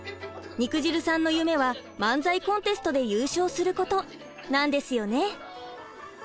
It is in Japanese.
肉汁さんの夢は漫才コンテストで優勝することなんですよね。